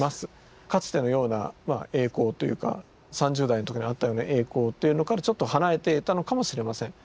かつてのような栄光というか３０代の時にあったような栄光というのからちょっと離れてたのかもしれません。